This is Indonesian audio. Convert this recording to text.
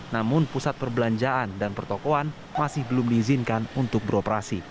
namun pusat perbelanjaan dan pertokoan masih belum diizinkan untuk beroperasi